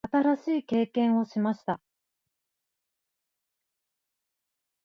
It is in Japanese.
新しい経験をしました。